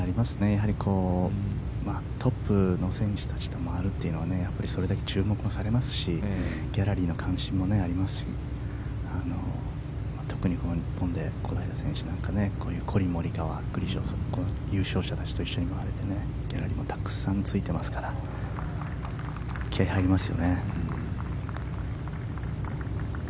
トップの選手たちと回るのはそれだけ注目されますしギャラリーの関心もあるし日本で小平選手なんかはコリン・モリカワやグリジョ、優勝者たちと回れてギャラリーもたくさんついていますから気合も入ります。